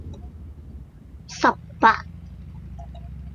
十八